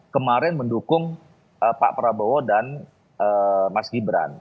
kemarin mendukung pak prabowo dan mas gibran